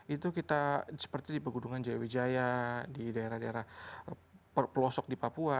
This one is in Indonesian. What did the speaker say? itu kita seperti di pegunungan jaya wijaya di daerah daerah pelosok di papua